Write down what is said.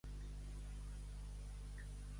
Si fora un bou!